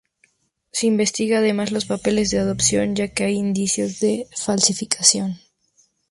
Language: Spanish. Se investiga además los papeles de adopción ya que hay indicios de falsificación.